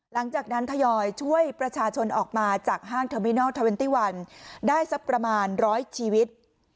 หลังจากนั้นทยอยช่วยประชาชนออกมาจากห้างเทอร์มินัล๒๑ได้สักประมาณร้อยชีวิต